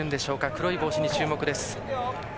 黒い帽子に注目です。